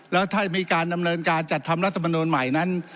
แล้วถ้ามีการดำเนินการจัดทำรัฐมนูลใหม่นั้น